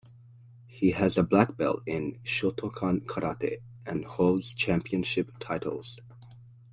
He has a black belt in Shotokan karate and holds championship titles.